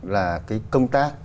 là cái công tác